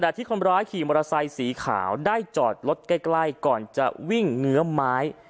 แต่ที่คนร้ายขี่มอเตอร์ไซค์สีขาวได้จอดรถใกล้ก่อนจะวิ่งเงื้อไม้